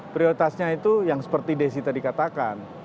prioritasnya itu yang seperti desi tadi katakan